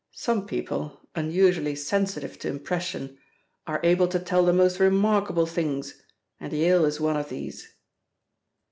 Some people, unusually sensitive to impression, are able to tell the most remarkable things, and Yale is one of these."